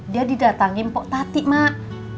dia didatangin kok tati mak